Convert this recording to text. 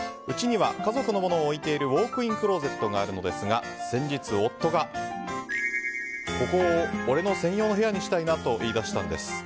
うちには家族のものを置いているウォークインクローゼットがあるのですが先日、夫がここ、俺専用の部屋にしたいなと言い出したんです。